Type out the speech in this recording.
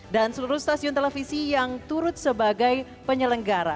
dan seluruh stasiun televisi yang turut sebagai penyelenggara